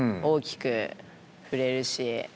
大きく振れるし。